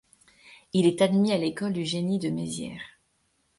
Il est admis à l'École du génie de Mézières.